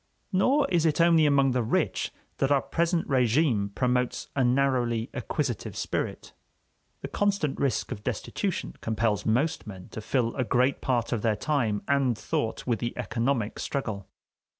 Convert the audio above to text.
Nor is it only among the rich that our present régime promotes a narrowly acquisitive spirit. The constant risk of destitution compels most men to fill a great part of their time and thought with the economic struggle.